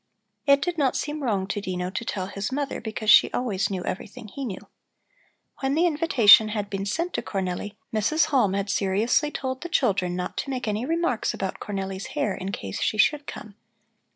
It did not seem wrong to Dino to tell his mother, because she always knew everything he knew. When the invitation had been sent to Cornelli, Mrs. Halm had seriously told the children not to make any remarks about Cornelli's hair in case she should come.